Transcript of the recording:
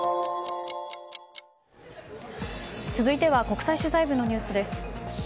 続いては国際取材部のニュースです。